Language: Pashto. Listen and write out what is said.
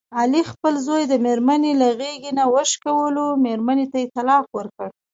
علي خپل زوی د مېرمني له غېږې نه وشکولو، مېرمنې ته یې طلاق ورکړ.